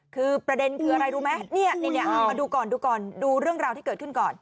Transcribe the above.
คือประเด็นคืออะไรรู้ไหมเนี่ยเอามาดูก่อนดูก่อนดูเรื่องราวที่เกิดขึ้นก่อน